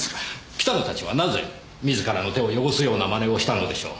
北野たちはなぜ自らの手を汚すような真似をしたのでしょう？